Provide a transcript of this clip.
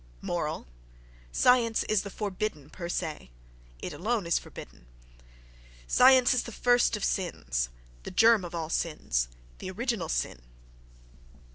—Moral: science is the forbidden per se; it alone is forbidden. Science is the first of sins, the germ of all sins, the original sin.